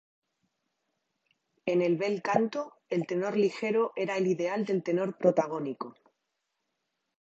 En el" bel canto", el tenor ligero era el ideal del tenor protagónico.